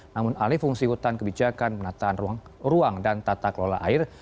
namun alih fungsi hutan kebijakan penataan ruang dan tata kelola air